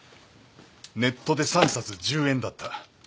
ネットで３冊１０円だった。